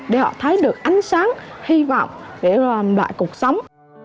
để họ thấy được ánh sáng hy vọng để lại cuộc sống